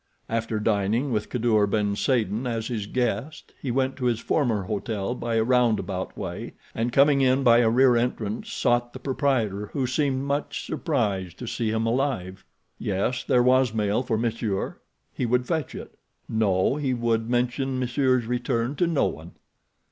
After dining with Kadour ben Saden as his guest, he went to his former hotel by a roundabout way, and, coming in by a rear entrance, sought the proprietor, who seemed much surprised to see him alive. Yes, there was mail for monsieur; he would fetch it. No, he would mention monsieur's return to no one.